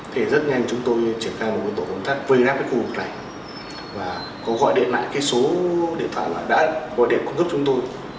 thế rất nhanh chúng tôi triển khai một nguyên tổ phòng thác về nắp cái khu vực này và có gọi điện lại cái số điện thoại mà đã gọi điện cung cấp chúng tôi